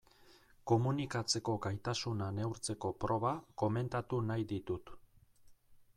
Komunikatzeko gaitasuna neurtzeko proba komentatu nahi ditut.